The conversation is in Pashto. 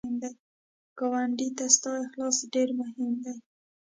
ګاونډي ته ستا اخلاص ډېر مهم دی